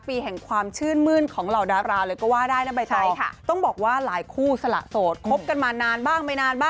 ปีแห่งความชื่นมื้นของเหล่าดาบ